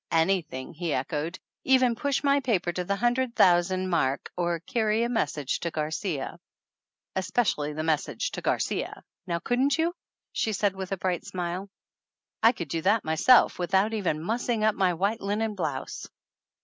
"Anything !" he echoed. "Even push my paper to the hundred thousand mark or carry a message to Garcia." "Especially the message to Garcia ! Now couldn't you?" she said with a bright smile. "I 205 THE ANNALS OF ANN could do that myself, without even mussing up my white linen blouse